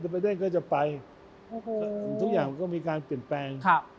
ไม่ได้ก็จะไปโอ้โหทุกอย่างก็มีการเปลี่ยนแปลงครับ